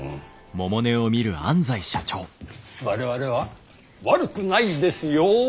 我々は悪くないですよ！